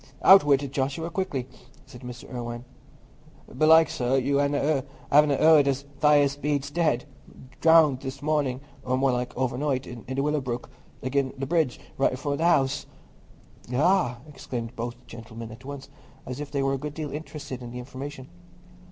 "Out with it, Joshua, quickly!" said Mr. Irwine. "Belike, sir, you havena heared as Thias Bede's dead—drownded this morning, or more like overnight, i' the Willow Brook, again' the bridge right i' front o' the house." "Ah!" exclaimed both the gentlemen at once, as if they were a good deal interested in the information.